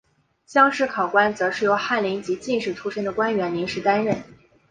乡试考官则是由翰林及进士出身的官员临时担任。